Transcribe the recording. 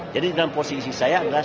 jadi dalam posisi saya adalah